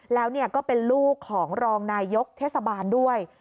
แล้วก็เป็นลูกของรองนายยกเทศบาลด้วย